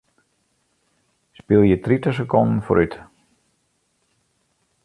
Spylje tritich sekonden foarút.